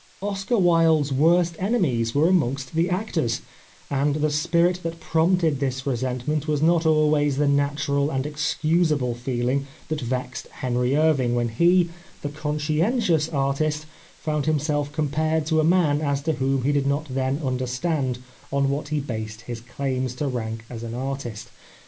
Oscar Wilde's worst enemies were amongst the actors, and the spirit that prompted this resentment was not always the natural and excusable feeling that vexed Henry Irving when he, the conscientious artist, found himself compared to a man as to whom he did not then understand on what he based his claims to rank as an artist.